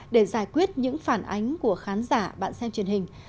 để giải quyết những phản ánh của khán giả bạn xem truyền hình